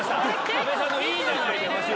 阿部さんの「いいじゃない」出ました。